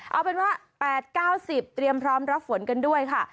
เอาเป็นว่า๘๙๐เตรียมพร้อมรับฝนกันด้วยค่ะ